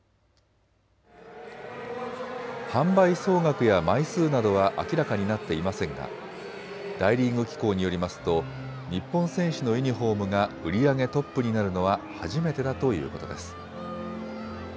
販売総額や枚数などは明らかになっていませんが大リーグ機構によりますと日本選手のユニフォームが売り上げトップになるのは初めてだということです。